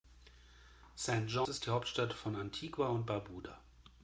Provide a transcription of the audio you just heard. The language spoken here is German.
St. John’s ist die Hauptstadt von Antigua und Barbuda.